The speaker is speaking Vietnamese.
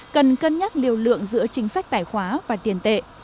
cần cân nhắc liều lượng giữa chính sách tài khoá và tiền tệ